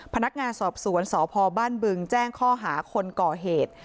พนักงานสอบสวนสพบ้านบึงแจ้งข้อหาคนก่อเหตุ